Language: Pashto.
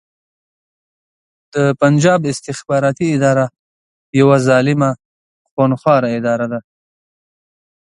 د پنجاب استخباراتې اداره يوه ظالمه خونښواره اداره ده